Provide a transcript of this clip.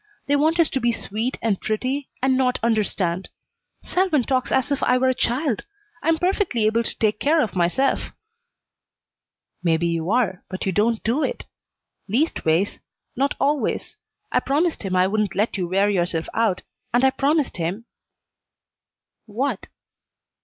They want us to be sweet and pretty and not understand. Selwyn talks as if I were a child. I am perfectly able to take care of myself." "Maybe you are, but you don't do it least ways, not always. I promised him I wouldn't let you wear yourself out, and I promised him " "What?"